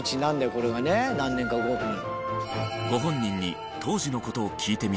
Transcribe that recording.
これがね何年か後に。